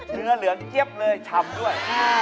เนื้อเหลืองเจี๊ยบเลยฉ่ำด้วย